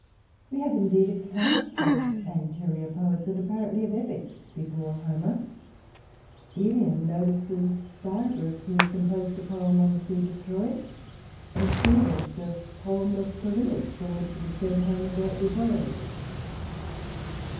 We have indeed accounts of anterior poets, and apparently of epics, before Homer; Ælian notices Syagrus, who composed a poem on the Siege of Troy; and Suidas the poem of Corinnus, from which it is said Homer greatly borrowed.